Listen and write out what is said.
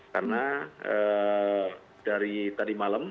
karena dari tadi malam